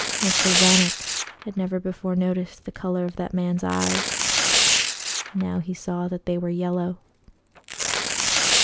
Mr. Czanek had never before noticed the colour of that man's eyes; now he saw that they were yellow.